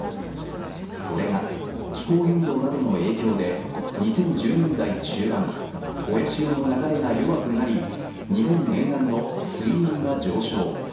それが気候変動などの影響で２０１０年代中盤親潮の流れが弱くなり日本沿岸の水温が上昇。